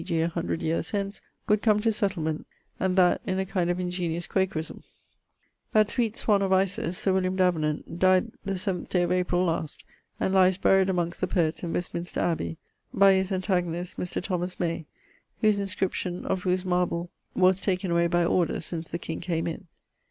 g. a hundred yeares hence, would come to settlement, and that in a kind of ingeniose Quakerisme. That sweet swan of Isis, Sir William Davenant, dyed the seaventh day of April last, and lyes buried amongst the poets in Westminster abbey, by his antagonist, Mr. Thomas May, whose inscription of whose marble was taken away by order since the king came in.